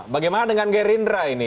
bagaimana dengan gerindra ini